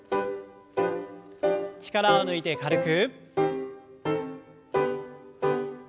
力を抜いて軽く。